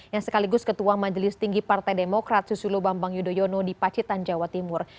yang sekaligus ketua majelis tinggi partai demokrat susilo bambang yudhoyono di pacitan jawa timur